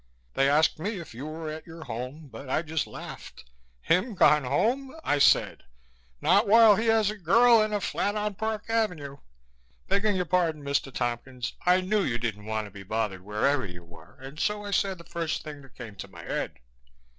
They asked me if you were at your home but I just laughed. 'Him gone home?' I said. 'Not while he has a girl and a flat on Park Avenue.' Begging your pardon, Mr. Tompkins, I knew you didn't want to be bothered wherever you were and so I said the first thing that came to my head."